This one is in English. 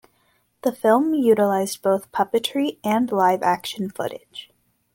The film utilized both puppetry and live-action footage.